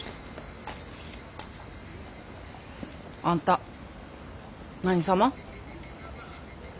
あんた何様？